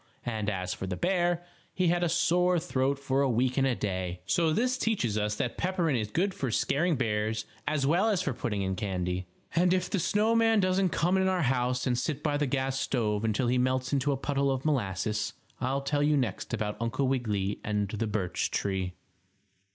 And as for the bear, he had a sore throat for a week and a day. So this teaches us that peppermint is good for scaring bears, as well as for putting in candy. And if the snow man doesn't come in our house and sit by the gas stove until he melts into a puddle of molasses, I'll tell you next about Uncle Wiggily and the birch tree.